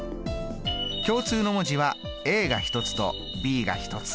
共通の文字はが１つとｂが１つ。